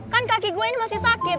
kan kaki gue ini masih sakit